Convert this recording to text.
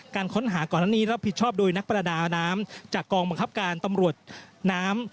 การค้นหาก่อนอันนี้รับผิดชอบโดยนักประดาน้ำจากกองบังคับการตำรวจน้ำ